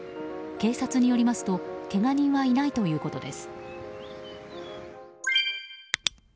警察によりますとけが人はいないということです。